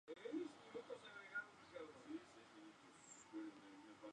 Su primer single, "Ti Ti", le hizo muy popular en Grecia.